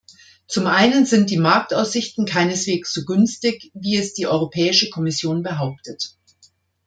Zum einen sind die Marktaussichten keineswegs so günstig, wie es die Europäische Kommission behauptet.